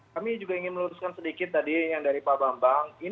kami juga ingin meluruskan sedikit tadi yang dari pak bambang